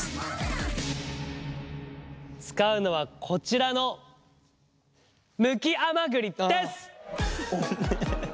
使うのはこちらのむき甘栗でっす！